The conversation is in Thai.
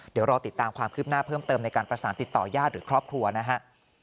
เดี๋ยวรอติดตามความคืบหน้าเพิ่มเติมในการประสานติดต่อยาดหรือครอบครัวนะฮะ